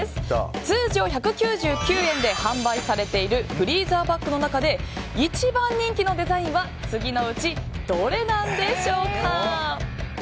通常１９９円で販売されているフリーザーバッグの中で一番人気のデザインは次のうちどれなんでしょうか。